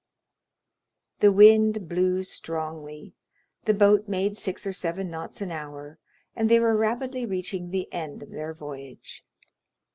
The wind blew strongly, the boat made six or seven knots an hour, and they were rapidly reaching the end of their voyage.